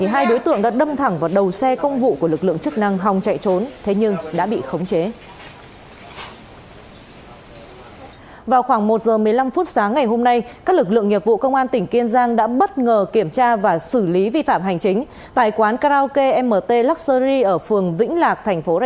hãy đăng ký kênh để ủng hộ kênh của chúng mình nhé